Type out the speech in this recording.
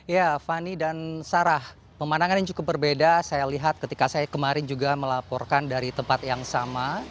ya fani dan sarah pemandangan yang cukup berbeda saya lihat ketika saya kemarin juga melaporkan dari tempat yang sama